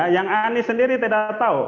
yang anies sendiri tidak tahu